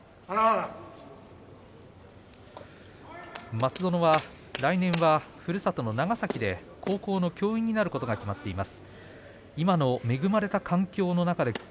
松園は来年はふるさとの長崎で高校の教員になることが決まっています。